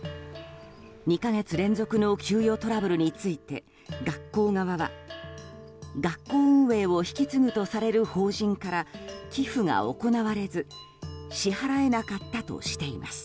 ２か月連続の給与トラブルについて学校側は学校運営を引き継ぐとされる法人から寄付が行われず支払えなかったとしています。